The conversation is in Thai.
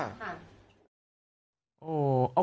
ยาบ้า